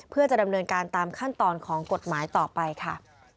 เพื่อจะดำเนินการตามขั้นตอนของกฎหมายต่อไปค่ะ